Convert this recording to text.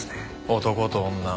男と女